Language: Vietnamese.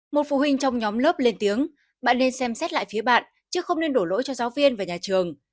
một phụ huynh trong nhóm lớp lên tiếng bạn nên xem xét lại phía bạn chứ không nên đổ lỗi cho giáo viên và nhà trường